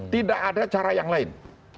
tidak ada cara yang lain